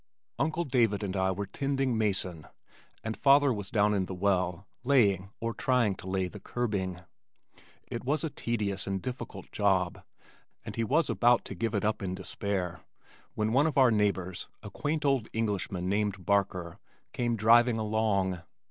Uncle David and I were "tending mason," and father was down in the well laying or trying to lay the curbing. It was a tedious and difficult job and he was about to give it up in despair when one of our neighbors, a quaint old Englishman named Barker, came driving along.